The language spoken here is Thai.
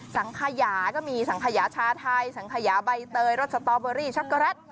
สังขยาก็มีสังขยาชาไทยสังขยาใบเตยรสสตอเบอรี่ช็อกโกแลต